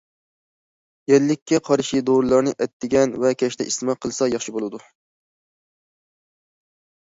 يەللىككە قارشى دورىلارنى ئەتىگەن ۋە كەچتە ئىستېمال قىلسا ياخشى بولىدۇ.